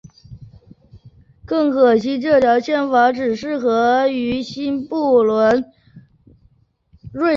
很可惜这条宪法只适用于新不伦瑞克。